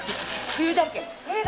冬だけ。